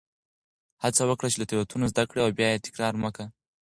هڅه وکړه چې له تېروتنو زده کړه او بیا یې تکرار مه کوه.